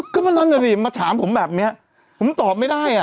ก็มันนั่นแหละสิมาถามผมแบบนี้ผมตอบไม่ได้อ่ะ